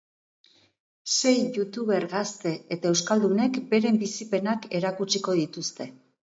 Sei youtuber gazte eta euskaldunek beren bizipenak erakutsiko dituzte.